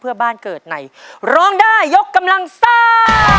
เพื่อบ้านเกิดในร้องได้ยกกำลังซ่า